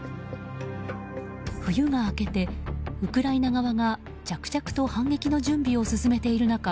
冬が明けて、ウクライナ側が着々と反撃の準備を進めている中